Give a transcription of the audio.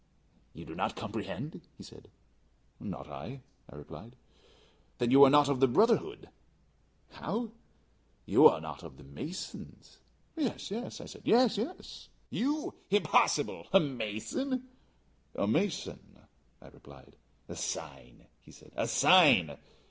"You do not comprehend?" he said. "Not I," I replied. "Then you are not of the brotherhood." "How?" "You are not of the masons." "Yes, yes," I said; "yes, yes." "You? Impossible! A mason?" "A mason," I replied. "A sign," he said, "a sign."